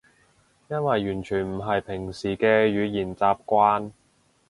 因為完全唔係平時嘅語言習慣